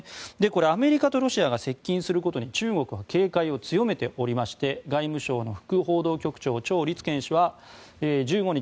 アメリカとロシアが接近することに中国は警戒を強めておりまして外務省の副報道局長チョウ・リツケン氏は１５日